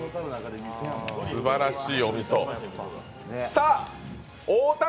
すばらしいお味噌。